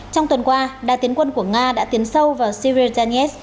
trong tuần qua đa tiến quân của nga đã tiến sâu vào syriza nez